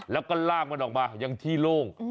แล้วก็ลากมันออกมาอย่างที่โล่ง